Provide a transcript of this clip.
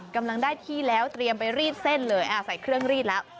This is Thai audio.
กำลังได้ที่แล้วเตรียมไปรีดเส้นเลยใส่เครื่องรีดแล้ว